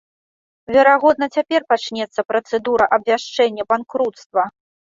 Верагодна, цяпер пачнецца працэдура абвяшчэння банкруцтва.